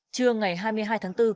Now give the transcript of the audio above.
trưa ngày hai mươi hai tháng bốn